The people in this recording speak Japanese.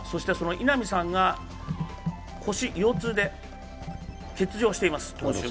稲見さんが腰痛で欠場しています、今週。